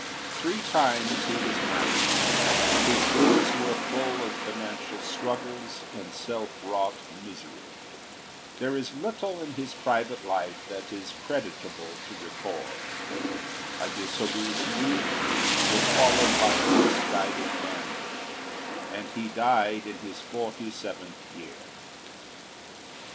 Three times he was married; his days were full of financial struggles and self wrought misery; there is little in his private life that is creditable to record: a dissolute youth was followed by a misguided manhood, and he died in his forty seventh year.